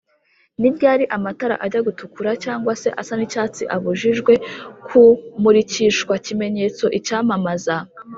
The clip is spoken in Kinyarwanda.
Niryari amatara ajya gutukura cg se asa ni icyatsi abujijwe ku murikishwa kimenyetso icyamamaza